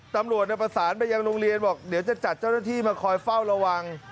ตำรวจประสานไปยังโรงเรียนบอกเดี๋ยวจะจัดเจ้าหน้าที่มาคอยเฝ้าระวัง